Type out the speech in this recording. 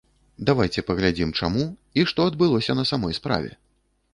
Давайце паглядзім, чаму і што адбылося на самой справе.